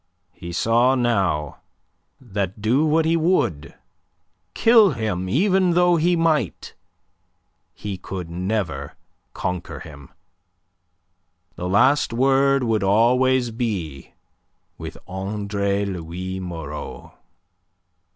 He saw now that do what he would, kill him even though he might, he could never conquer him. The last word would always be with Andre Louis Moreau.